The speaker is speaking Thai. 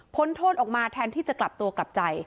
โทษออกมาแทนที่จะกลับตัวกลับใจ